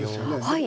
はい。